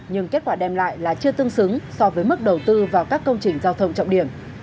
nhưng kết quả đem lại là chưa tương xứng so với mức đầu tư vào các công trình giao thông trọng điểm